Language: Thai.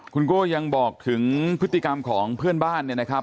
คุณโก้ยังบอกถึงพฤติกรรมของเพื่อนบ้านเนี่ยนะครับ